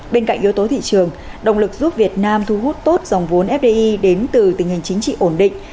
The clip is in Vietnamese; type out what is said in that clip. bên cạnh yếu tố thị trường động lực giúp việt nam thu hút tốt dòng vốn fdi đến từ tình hình chính trị ổn định